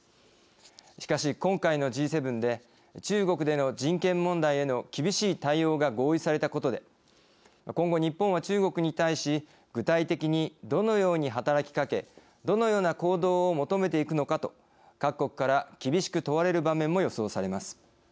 しかし今回のＧ７で、中国での人権問題への厳しい対応が合意されたことで今後、「日本は中国に対し具体的にどのように働きかけどのような行動を求めていくのか」と各国から厳しく問われる場面も予想されます。